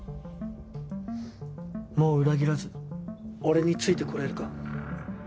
もう裏切らず俺についてこれるか？